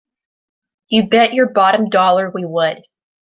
You bet your bottom dollar we would!